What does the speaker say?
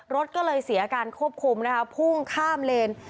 รถก็เลยเสียการควบคุมนะคะพุ่งข้ามเลน